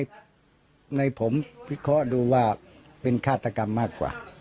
ในผมพิเคราะห์ดูว่าเป็นฆาตกรรมมากกว่า